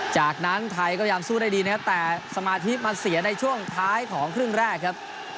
จากนั้นไทยก็ยังสู้ได้ดีนะครับแต่สมาธิมาเสียในช่วงท้ายของครึ่งแรกครับ